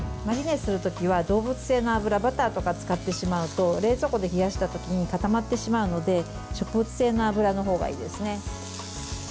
マリネするときは動物性の脂バターとか使ってしまうと冷蔵庫で冷やしたときに固まってしまうので食物性の油のほうがいいですね。